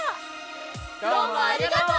どうもありがとう！